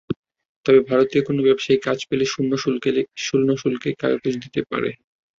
তবে ভারতীয় কোনো ব্যবসায়ী কাজ পেলে শূন্য শুল্কেই কাগজ দিতে পারে।